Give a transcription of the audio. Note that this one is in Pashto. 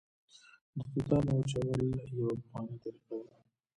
د توتانو وچول یوه پخوانۍ طریقه ده